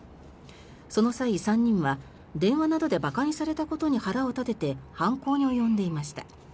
その際３人は、電話などで馬鹿にされたことに腹を立てて犯行に及んでいました。